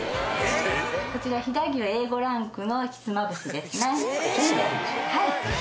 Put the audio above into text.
こちら、飛騨牛Ａ５ランクのひつまぶしですね。